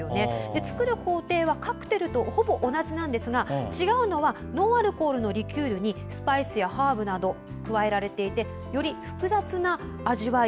作る工程はカクテルとほぼ同じなんですが違うのはノンアルコールのリキュールにスパイスやハーブなどが加えられていてより複雑な味わい。